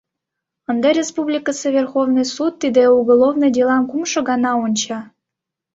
Ынде республикысе Верховный суд тиде уголовный делам кумшо гана онча.